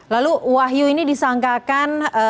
lalu wahyu ini disangkakan